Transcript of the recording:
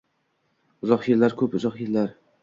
Uzoq yillar, ko‘p uzoq yillar